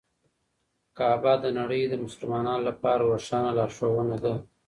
کعبه د نړۍ د مسلمانانو لپاره روښانه لارښوونه ده.